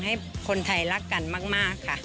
ให้คนไทยรักกันมากค่ะ